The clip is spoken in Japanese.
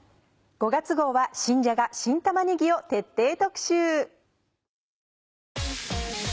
５月号は新じゃが新玉ねぎを徹底特集。